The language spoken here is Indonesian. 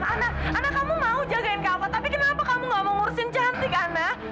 ana ana kamu mau jagain kakak tapi kenapa kamu nggak mau ngurusin cantik ana